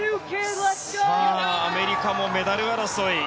さあ、アメリカもメダル争い。